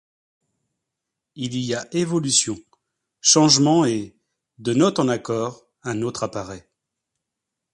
Il y a évolution, changement et, de note en accords, un autre apparaît...